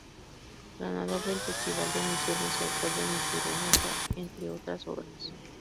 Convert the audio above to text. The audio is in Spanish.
Ganador del festival de Misiones y autor de "Mi serenata" entre otras obras.